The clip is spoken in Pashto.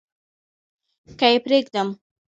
که يې پرېږدم .